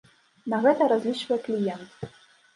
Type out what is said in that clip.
На гэта разлічвае кліент.